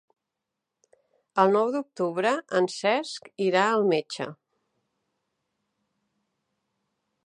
El nou d'octubre en Cesc irà al metge.